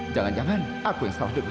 jangan jangan aku yang salah dulu